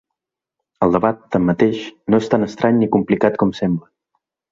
El debat, tanmateix, no és tan estrany ni complicat com sembla.